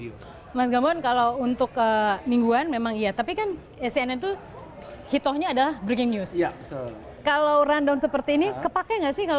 ia mulai mengikuti pemberitaan cnn indonesia